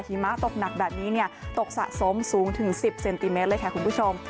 หมะตกหนักแบบนี้ตกสะสมสูงถึง๑๐เซนติเมตรเลยค่ะคุณผู้ชม